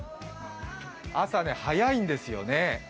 朝ね、早いんですよ。